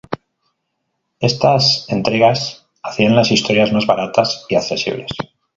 Estas entregas hacían las historias más baratas y accesibles.